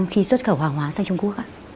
khi xuất khẩu hoàng hóa xe trung quốc